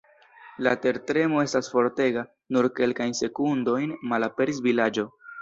La tertremo estas fortega, nur kelkajn sekundojn, malaperis vilaĝo.